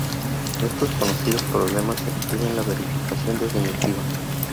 Estos conocidos problemas impiden la verificación definitiva.